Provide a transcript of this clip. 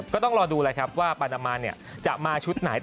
ก็ต้องรอดูเลยครับว่าปรณมันเนี่ยจะมาชุดไหน